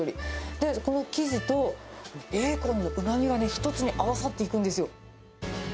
で、この生地とベーコンのうまみが１つに合わさっていくんですよ。